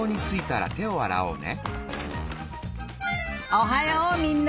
おはようみんな！